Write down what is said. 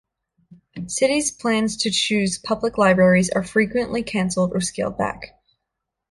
Cities' plans to close public libraries are frequently cancelled or scaled back.